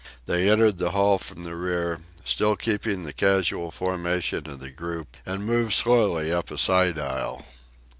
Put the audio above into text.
They entered the hall from the rear, still keeping the casual formation of the group, and moved slowly up a side aisle.